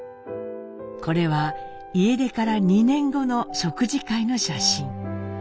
これは家出から２年後の食事会の写真。